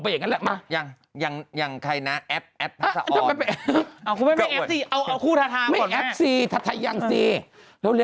ไม่ด้วยก่อนเจ้านางพี่ม้าเคยโอยพรคู่นี้เหรอ